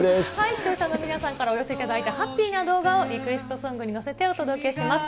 視聴者の皆さんから寄せられたハッピーな動画をリクエストソングに乗せてお届けします。